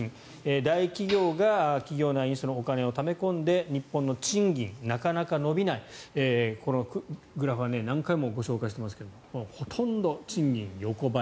大企業が企業内にお金をため込んで日本の賃金、なかなか伸びないこのグラフは何回もご紹介していますがほとんど賃金が横ばい